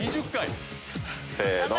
せの！